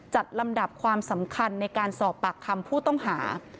ลำดับความสำคัญในการสอบปากคำผู้ต้องหา